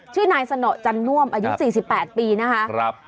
ชื่นะศนอกจันนวมอายุ๔๘ปีนะฮะ